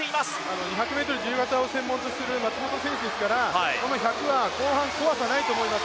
１００ｍ自由形を専門とする松元選手ですから、この１００は後半こわさないと思います。